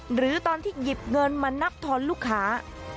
หรือตอนที่หยิบเงินมานับทอนลูกค้า